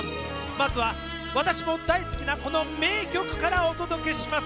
まずは私も大好きなこの名曲からお届けします。